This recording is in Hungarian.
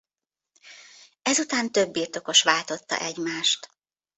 Ezután több birtokos váltotta egymást.